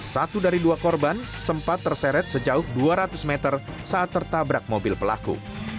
satu dari dua korban sempat terseret sejauh dua ratus meter saat tertabrak mobil pelaku